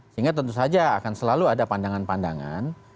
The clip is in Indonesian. sehingga tentu saja akan selalu ada pandangan pandangan